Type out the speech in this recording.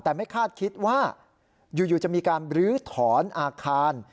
แต่ไม่คาดคิดว่าอยู่จะมีการบรื้อถอนอาคาร